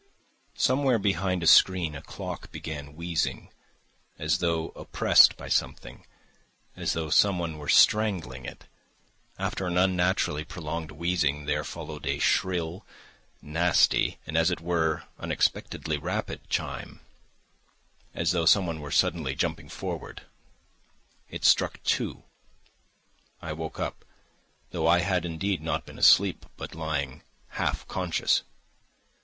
Somewhere behind a screen a clock began wheezing, as though oppressed by something, as though someone were strangling it. After an unnaturally prolonged wheezing there followed a shrill, nasty, and as it were unexpectedly rapid, chime—as though someone were suddenly jumping forward. It struck two. I woke up, though I had indeed not been asleep but lying half conscious.